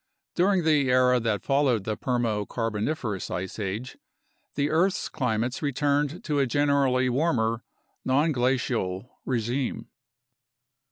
During the era that followed the Permo Carboniferous ice age, the earth's climates returned to a generally warmer, nonglacial regime.